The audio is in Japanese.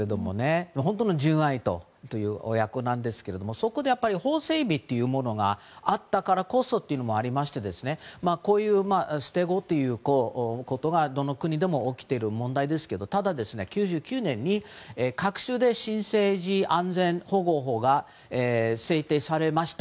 本当に純愛という親子なんですがそこで法整備というものがあったからこそというものもありましてこういう捨て子ということはどの国でも起きている問題ですがただ、９９年に各州で新生児安全保護法が制定されました。